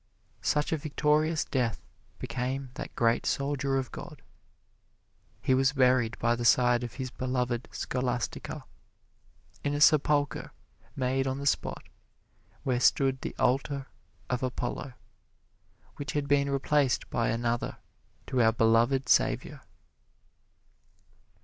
Such a victorious death became that great soldier of God. He was buried by the side of his beloved Scholastica, in a sepulcher made on the spot where stood the altar of Apollo, which had been replaced by another to our beloved Savior.